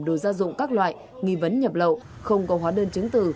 đồ gia dụng các loại nghi vấn nhập lậu không có hóa đơn chứng từ